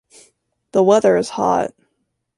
The weather is hot.